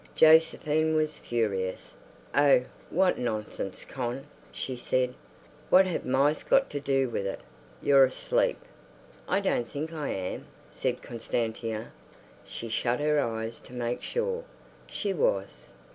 Josephine was furious. "Oh, what nonsense, Con!" she said. "What have mice got to do with it? You're asleep." "I don't think I am," said Constantia. She shut her eyes to make sure. She was.